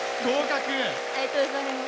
ありがとうございます。